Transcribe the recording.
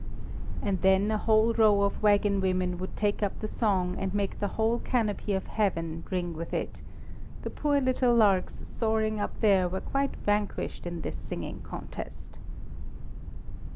And then a whole row of waggon women would take up the song and make the whole canopy of heaven ring with it; the poor little larks soaring up there were quite vanquished in this singing contest.